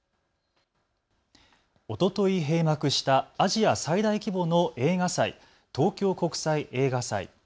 おととい閉幕したアジア最大規模の映画祭、東京国際映画祭。